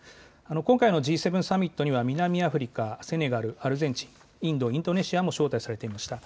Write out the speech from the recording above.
今回のＧ７サミットには南アフリカ、セネガル、アルゼンチン、インド、インドネシアも招待されていました。